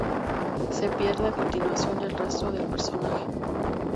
Se pierde a continuación el rastro del personaje.